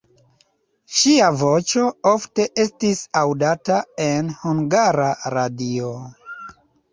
Ŝia voĉo ofte estis aŭdata en Hungara Radio.